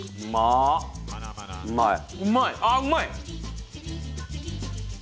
あうまい！